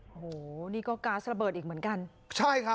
โอ้โหนี่ก็ก๊าซระเบิดอีกเหมือนกันใช่ครับ